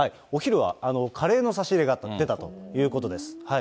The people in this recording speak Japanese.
お昼はカレーの差し入れが出たということです。